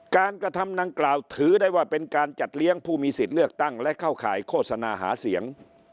กระทำดังกล่าวถือได้ว่าเป็นการจัดเลี้ยงผู้มีสิทธิ์เลือกตั้งและเข้าข่ายโฆษณาหาเสียง